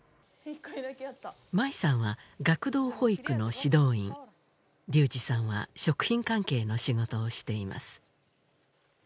舞さんは学童保育の指導員龍志さんは食品関係の仕事をしています